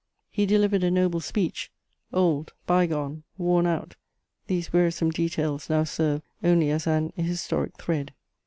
He delivered a noble speech: old, by gone, worn out, these wearisome details now serve only as an historic thread.